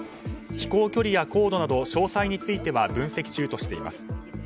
飛行距離や高度など詳細については分析中としています。